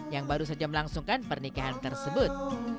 yang baru saja melangsungkan pernikahan tersebut